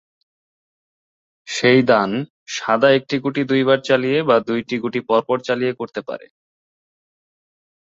সেই দান সাদা একটি গুটি দুইবার চালিয়ে বা দুইটি গুটি পরপর চালিয়ে করতে পারে।